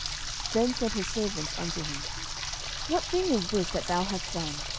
10:012:021 Then said his servants unto him, What thing is this that thou hast done?